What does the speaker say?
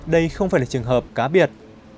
đây không phải là trường hợp cá biệt